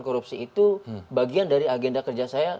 korupsi itu bagian dari agenda kerja saya